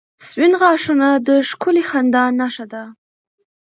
• سپین غاښونه د ښکلي خندا نښه ده.